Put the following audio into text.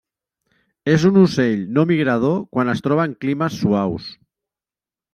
És un ocell no migrador quan es troba en climes suaus.